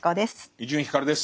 伊集院光です。